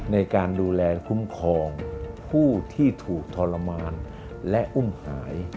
ในการดูแลคุ้มครองผู้ที่ถูกทรมานและอุ้มหาย